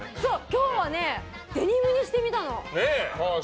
今日はデニムにしてみたの。